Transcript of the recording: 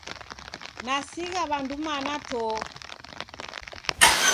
Nasigha w'andu mana to!